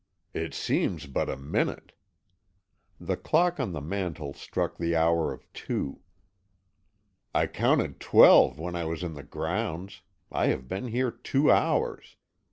"It seems but a minute." The clock on the mantel struck the hour of two. "I counted twelve when I was in the grounds; I have been here two hours.